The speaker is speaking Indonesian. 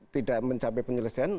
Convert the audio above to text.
tidak mencapai penyelesaian